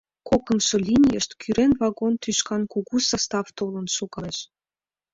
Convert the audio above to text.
...Кокымшо линийышт кӱрен вагон тӱшкан кугу состав толын шогалеш.